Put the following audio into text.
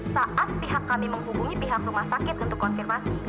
saat pihak kami menghubungi pihak rumah sakit untuk konfirmasi